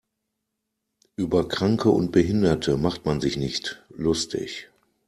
Über Kranke und Behinderte macht man sich nicht lustig.